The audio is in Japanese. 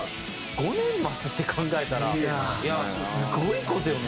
５年待つって考えたらすごい事よね。